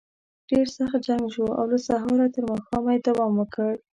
ډېر سخت جنګ شو او له سهاره تر ماښامه یې دوام وکړ.